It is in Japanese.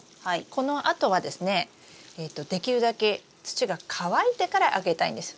このあとはですねできるだけ土が乾いてからあげたいんです。